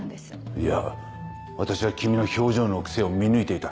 いや私は君の表情の癖を見抜いていた。